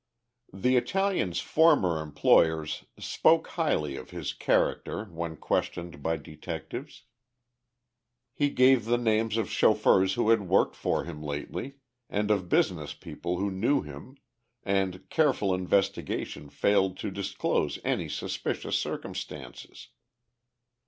The Italian's former employers spoke highly of his character when questioned by detectives. He gave the names of chauffeurs who had worked for him lately, and of business people who knew him, and careful investigation failed to disclose any suspicious circumstances.